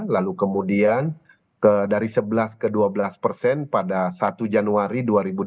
lalu kemudian dari sebelas ke dua belas persen pada satu januari dua ribu dua puluh